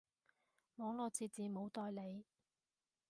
網路設置冇代理